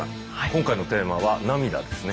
今回のテーマは「涙」ですね。